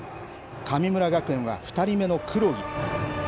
神村学園は２人目のくろぎ。